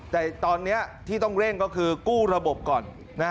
แต่ตอนนี้ที่ต้องเร่งก็คือกู้ระบบก่อน